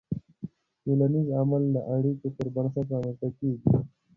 ټولنیز عمل د اړیکو پر بنسټ رامنځته کېږي.